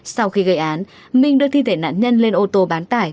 sau khi gây án minh đưa thi thể nạn nhân lên ô tô bán tải